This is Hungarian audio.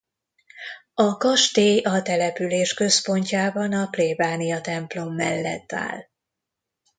A kastély a település központjában a plébániatemplom mellett áll.